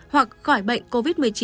hoặc khỏi bệnh covid một mươi chín